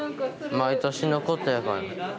毎年のことやから。